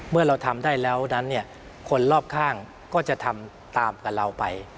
เมื่อเราทำได้แล้วนั้นเนี่ยคนรอบข้างก็จะทำตามกับเราไป